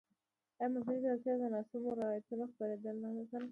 ایا مصنوعي ځیرکتیا د ناسمو روایتونو خپرېدل نه اسانه کوي؟